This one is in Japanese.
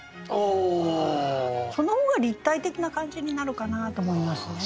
その方が立体的な感じになるかなと思いますね。